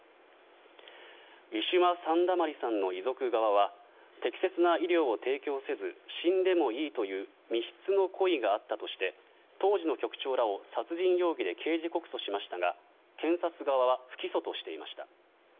ウィシュマ・サンダマリさんの遺族側は適切な医療を提供せず死んでもいいという未必の故意があったとして当時の局長らを殺人容疑で刑事告訴しましたが検察側は不起訴としていました。